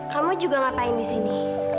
kamu juga ngapain disini